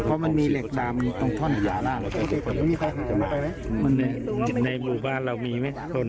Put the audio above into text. เพราะมันมีเหล็กดามมีต้องท่อนหย่าร่างในบุคบ้านเรามีไหม